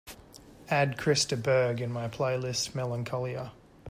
add Chris de Burgh in my playlist melancholia